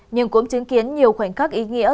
nhưng cũng chứng kiến nhiều khoảnh khắc ý nghĩa